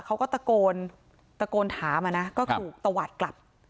เขาก็ตะโกนตะโกนถามอะนะก็ถูกตวาดกลับ